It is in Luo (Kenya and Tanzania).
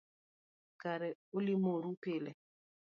Kare ulimoru pile